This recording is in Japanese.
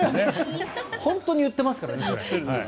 本当に言ってますからねそれ。